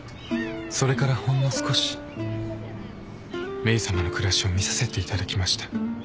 それからほんの少しメイさまの暮らしを見させていただきました。